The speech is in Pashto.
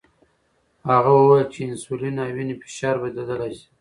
هغه وویل چې انسولین او وینې فشار بدلیدلی شي.